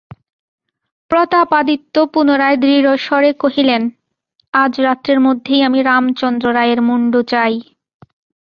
প্রতাপাদিত্য পুনরায় দৃঢ়স্বরে কহিলেন, আজ রাত্রের মধ্যেই আমি রামচন্দ্র রায়ের মুণ্ড চাই।